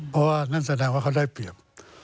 เพราะว่านั่นแสดงว่าเขาได้เปรียบ